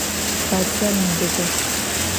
Badzer mebıbı.